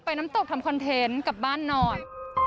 น้ำตกทำคอนเทนต์กลับบ้านนอน